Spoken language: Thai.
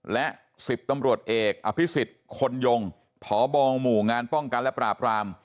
และ๑๐ตำรวจเอกอภิษฎคนยงพบหมู่งานป้องกันและปราบราม